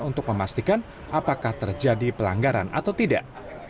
untuk memastikan apakah terjadi pelanggaran atau tidak